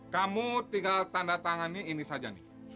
kamu tinggal tanda tangan ini saja